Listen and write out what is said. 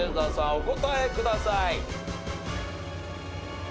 お答えください。